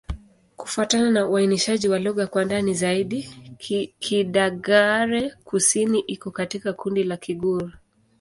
Kufuatana na uainishaji wa lugha kwa ndani zaidi, Kidagaare-Kusini iko katika kundi la Kigur.